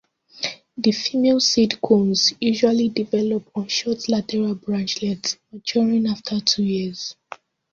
The female seed cones usually develop on short lateral branchlets, maturing after two years.